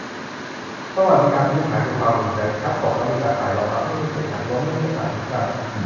สวัสดิการพื้นฐานคือความอุ่นใจ พลัดตกแล้วมีตาข่ายรองรับให้ไม่เจ็บหนัก ล้มแล้วมีโอกาสลุกได้